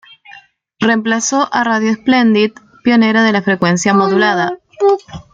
Reemplazó a Radio Splendid, pionera de la frecuencia modulada.